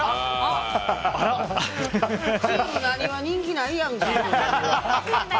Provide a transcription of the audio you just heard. チームなにわ人気ないやんか。